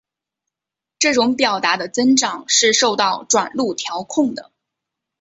这种表达的增长是受到转录调控的。